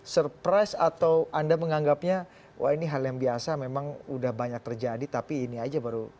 surprise atau anda menganggapnya wah ini hal yang biasa memang udah banyak terjadi tapi ini aja baru